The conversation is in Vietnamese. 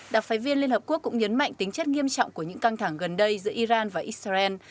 đặc phái viên liên hợp quốc cũng nhấn mạnh tính chất nghiêm trọng của những căng thẳng gần đây giữa iran và israel